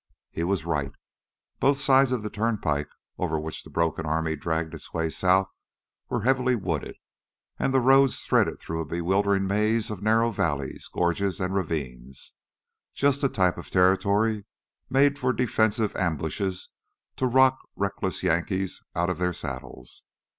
He was right. Both sides of the turnpike over which the broken army dragged its way south were heavily wooded, and the road threaded through a bewildering maze of narrow valleys, gorges, and ravines just the type of territory made for defensive ambushes to rock reckless Yankees out of their saddles.